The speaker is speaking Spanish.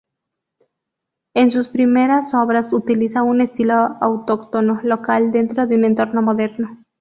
En sus primeras obras utiliza un estilo autóctono local dentro de un entorno moderno.